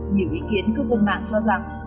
nhiều ý kiến cơ dân mạng cho rằng